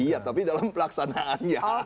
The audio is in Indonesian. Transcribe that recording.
iya tapi dalam pelaksanaannya